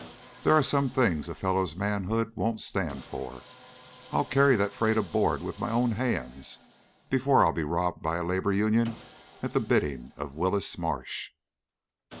"There are some things a fellow's manhood won't stand for. I'll carry that freight aboard with my own hands before I'll be robbed by a labor union at the bidding of Willis Marsh."